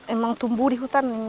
emang tumbuh di hutan